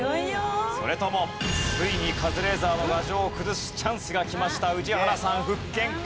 それともついにカズレーザーの牙城を崩すチャンスがきました宇治原さん復権か？